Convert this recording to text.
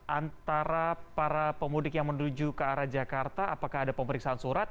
antara para pemudik yang menuju ke arah jakarta apakah ada pemeriksaan surat